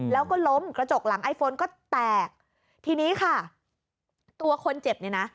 แล้วก็ล้มกระจกหลังไอโฟนก็แตกทีนี้ค่ะตัวคนเจ็บเนี่ยนะ